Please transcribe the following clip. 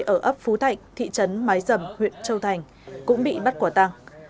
ở ấp phú thạnh thị trấn mái dầm huyện châu thành cũng bị bắt quả tăng